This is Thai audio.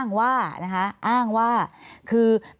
มีความรู้สึกว่ามีความรู้สึกว่า